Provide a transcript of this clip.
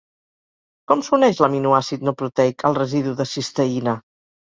Com s'uneix l'aminoàcid no proteic al residu de cisteïna?